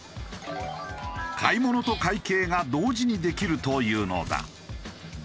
買い物と会計が同時にできるというのだ。